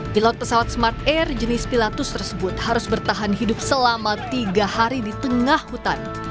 pilot pesawat smart air jenis pilatus tersebut harus bertahan hidup selama tiga hari di tengah hutan